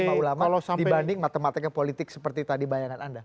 isma ulama dibanding matematika politik seperti tadi bayangan anda